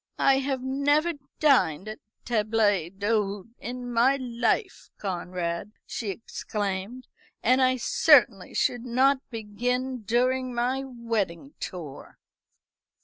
"I have never dined at a table d'hôte in my life, Conrad," she exclaimed, "and I certainly should not begin during my wedding tour."